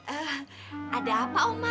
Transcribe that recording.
eh ada apa oma